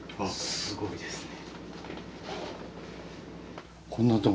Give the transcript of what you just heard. すごいですね。